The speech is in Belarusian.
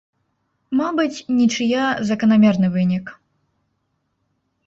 Мабыць, нічыя заканамерны вынік.